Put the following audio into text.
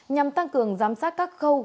nhằm tăng cường giám sát các khâu